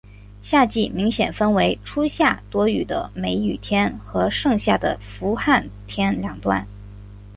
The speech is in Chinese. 夏季明显分为初夏多雨的梅雨天和盛夏的伏旱天两段。